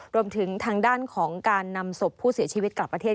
รวมถึงทางด้านของการนำศพผู้เสียชีวิตกลับประเทศ